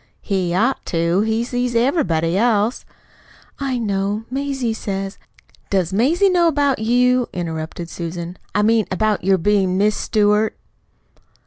"He ought to. He sees everybody else." "I know. Mazie says " "Does Mazie know about you?" interrupted Susan. "I mean, about your being 'Miss Stewart'?"